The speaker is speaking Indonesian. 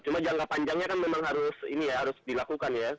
cuma jangka panjangnya kan memang harus dilakukan ya